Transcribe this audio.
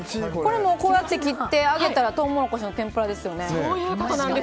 これ、こうやって切って揚げたらとうもろこしの天ぷらですよね。